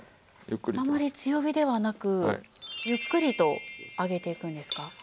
あまり強火ではなくゆっくりと揚げていくんですか？